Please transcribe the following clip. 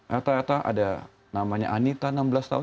rata rata ada namanya anita enam belas tahun